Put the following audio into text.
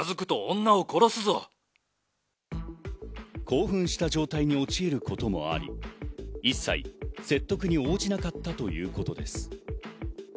興奮した状態に陥ることもあり、一切、説得に応じなかったということです。